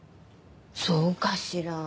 そうかしら？